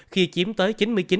khi chiếm tới chín mươi chín chín